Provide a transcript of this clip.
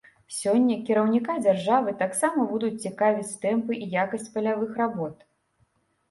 Сёння кіраўніка дзяржавы таксама будуць цікавіць тэмпы і якасць палявых работ.